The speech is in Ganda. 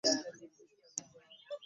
Wano ng'agisaba okuggyayo omusango.